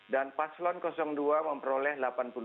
dan paslon dua memperoleh delapan puluh lima